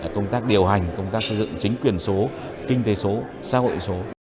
công tác điều hành công tác xây dựng chính quyền số kinh tế số xã hội số